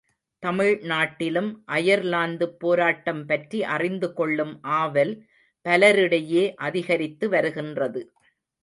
தமிழ்நாட்டிலும் அயர்லாந்துப் போராட்டம் பற்றி அறிந்து கொள்ளும் ஆவல் பலரிடையே அதிகரித்து வருகின்றது.